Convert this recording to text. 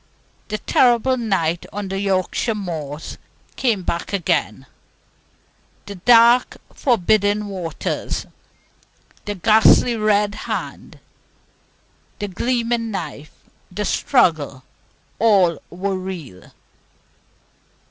The terrible night on the Yorkshire moors came back again, the dark forbidding waters, the ghastly red hand, the gleaming knife, the struggle all were real.